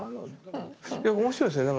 いや面白いですよね。